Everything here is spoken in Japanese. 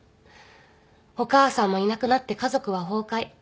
お母さんもいなくなって家族は崩壊。